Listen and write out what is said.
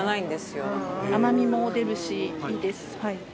甘みも出るしいいです。